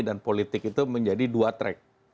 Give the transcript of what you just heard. dan politik itu menjadi dua track